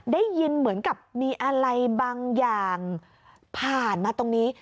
ได้ยินเหมือนกับมีอะไรบางอย่างผ่านมาตรงนี้